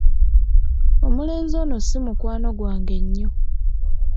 Omulenzi ono si mukwano gwange nnyo.